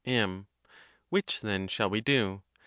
M. Which, then, shall we do?